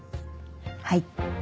はい。